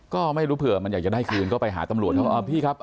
ก็ไม่รู้เผื่อมันอยากจะได้คืนก็ไปหาตำรวจเขาว่าพี่ครับ